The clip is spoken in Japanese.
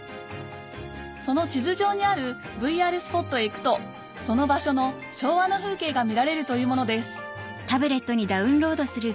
その地図上にあるＶＲスポットへ行くとその場所の昭和の風景が見られるというものです